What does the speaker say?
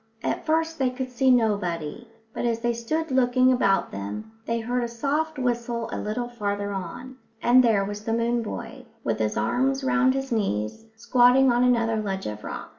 At first they could see nobody, but as they stood looking about them they heard a soft whistle a little farther on; and there was the moon boy, with his arms round his knees, squatting on another ledge of rock.